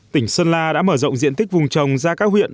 tỉnh sơn la đã mở rộng diện tích vùng trồng ra các huyện